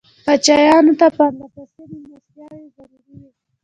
پاچایانو ته پرله پسې مېلمستیاوې ضروري وې.